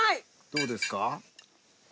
どうですか？